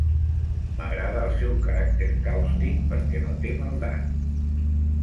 M'agrada el seu caràcter càustic perquè no té maldat.